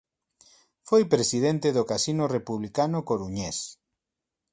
Foi presidente do Casino Republicano coruñés.